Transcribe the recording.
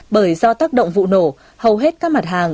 bởi do tác động vụ nổ hầu hết các mặt hàng